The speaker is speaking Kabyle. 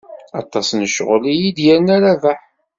Aṭas n ccɣel i yi-d-yerna Rabaḥ.